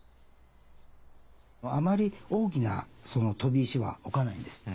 あまり大きな飛び石は置かないんです。